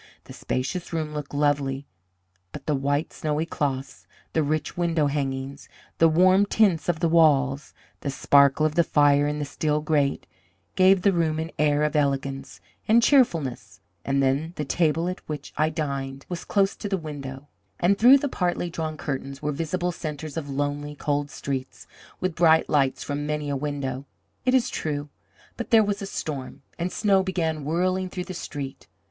The spacious room looked lonely; but the white, snowy cloths, the rich window hangings, the warm tints of the walls, the sparkle of the fire in the steel grate, gave the room an air of elegance and cheerfulness; and then the table at which I dined was close to the window, and through the partly drawn curtains were visible centres of lonely, cold streets, with bright lights from many a window, it is true, but there was a storm, and snow began whirling through the street.